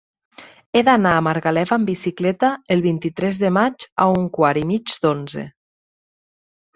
He d'anar a Margalef amb bicicleta el vint-i-tres de maig a un quart i mig d'onze.